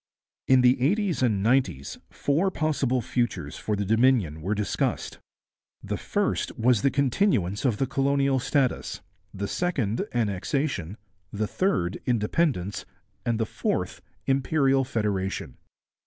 In the eighties and nineties four possible futures for the Dominion were discussed. The first was the continuance of the colonial status, the second Annexation, the third Independence, and the fourth Imperial Federation.